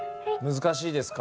難しいですか？